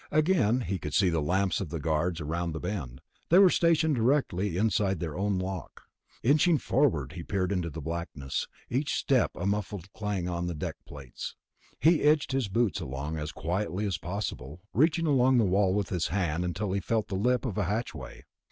Again he could see the lamps of the guards around the bend; they were stationed directly inside their own lock. Inching forward, he peered into blackness. Each step made a muffled clang on the deck plates. He edged his boots along as quietly as possible, reaching along the wall with his hand until he felt the lip of a hatchway.